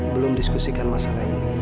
belum diskusikan masalah ini